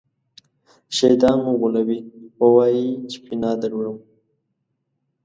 شیطان مو غولوي ووایئ چې پناه دروړم.